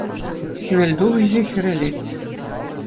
Хӗвелтухӑҫӗ хӗрелет.